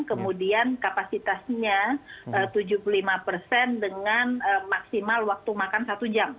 kemudian kapasitasnya tujuh puluh lima persen dengan maksimal waktu makan satu jam